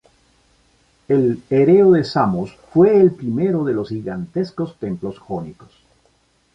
El Hereo de Samos fue el primero de los gigantescos templos jónicos.